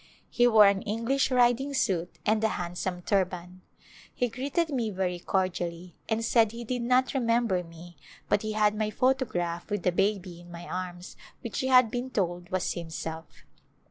He wore an English riding suit and a handsome turban. He greeted me very cordially, and said he did not remem ber me but he had my photograph with a baby in my arms which he had been told was himself.